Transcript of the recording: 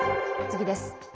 次です。